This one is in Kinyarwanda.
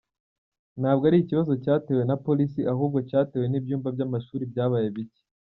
Ntabwo ari ikibazo cyatewe na policy ahubwo cyatewe n’ ibyumba by’ amashuri byabaye bike”.